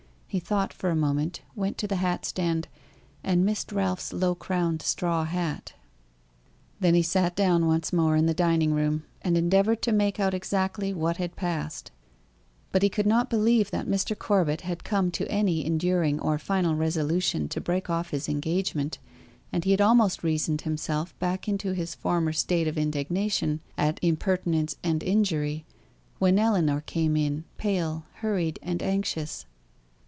He thought for a moment, went to the hat stand, and missed Ralph's low crowned straw hat. Then he sat down once more in the dining room, and endeavoured to make out exactly what had passed; but he could not believe that Mr. Corbet had come to any enduring or final resolution to break off his engagement, and he had almost reasoned himself back into his former state of indignation at impertinence and injury, when Ellinor came in, pale, hurried, and anxious.